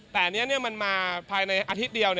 แต่อันนี้มันมาภายในอาทิตย์เดียว